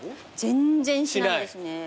全然しないですね。